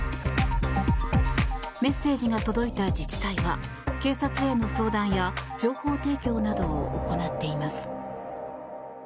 メッセージが届いた自治体は警察への相談や情報提供などを行っています。